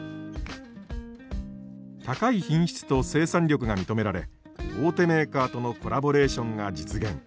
高い品質と生産力が認められ大手メーカーとのコラボレーションが実現。